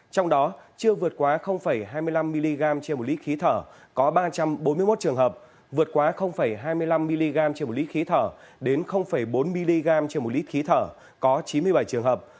trong đó chưa vượt quá hai mươi năm mg trên một lít khí thở có ba trăm bốn mươi một trường hợp vượt quá hai mươi năm mg trên một lít khí thở đến bốn mg trên một lít khí thở có chín mươi bảy trường hợp